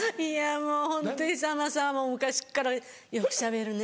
もうホントにさんまさんは昔っからよくしゃべるね。